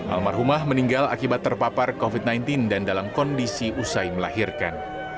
almarhumah meninggal akibat terpapar covid sembilan belas dan dalam kondisi usai melahirkan